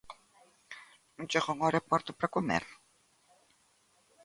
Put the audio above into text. ¿Non chega unha hora e cuarto para comer?